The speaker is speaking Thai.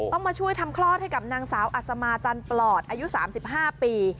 ต้องมาช่วยทำคลอดให้กับนางสาวอัศมาจันปลอดอายุ๓๕ปี